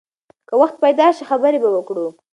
که وخت پیدا شي، خبرې به وکړو.